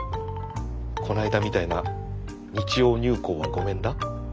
こないだみたいな日曜入稿はごめんだ？